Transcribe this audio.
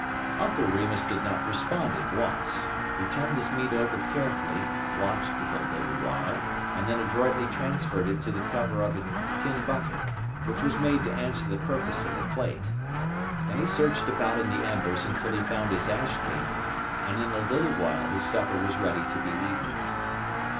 Uncle Remus did not respond at once. He turned his meat over carefully, watched it a little while, and then adroitly transferred it to the cover of a tin bucket, which was made to answer the purpose of a plate. Then he searched about in the embers until he found his ash cake, and in a little while his supper was ready to be eaten.